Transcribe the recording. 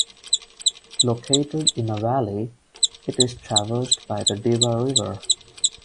Located in a valley, it is traversed by the Deba river.